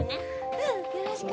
うんよろしく。